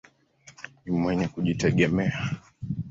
Ni mwenye kujitegemea.